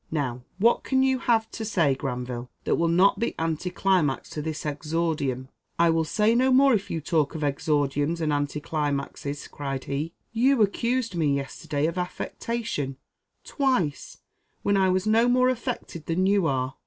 "Now what can you have to say, Granville, that will not be anticlimax to this exordium?" "I will say no more if you talk of exordiums and anti climaxes," cried he. "You accused me yesterday of affectation twice, when I was no more affected than you are."